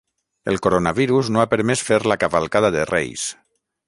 El coronavirus no ha permès fer la cavalcada de Reis.